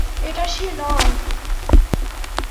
এটা সে নয়!